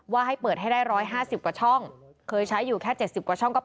ว่าให้เปิดให้ได้๑๕๐กว่าช่อง